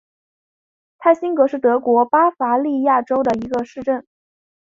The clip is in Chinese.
泰辛格是德国巴伐利亚州的一个市镇。